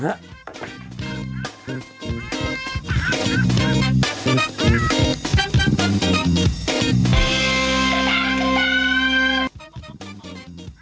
ไลโอ